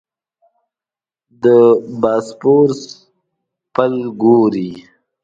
د باسفورس پل ګورې.